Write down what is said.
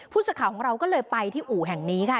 ผู้สื่อข่าวของเราก็เลยไปที่อู่แห่งนี้ค่ะ